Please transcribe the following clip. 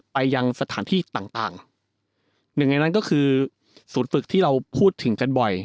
ไปยังสถานที่ต่างต่างหนึ่งในนั้นก็คือศูนย์ฝึกที่เราพูดถึงกันบ่อย